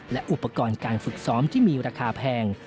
และอุปกรณ์การฝึกซ้อมที่มีราคาแพง